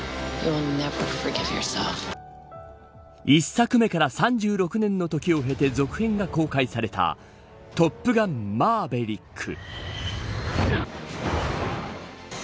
１作目から３６年の時を経て続編が公開されたトップガン、マーヴェリック。